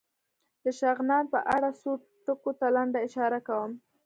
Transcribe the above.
د شغنان په اړه څو ټکو ته لنډه اشاره کوم.